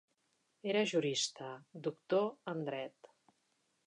Era jurista, doctor en Dret.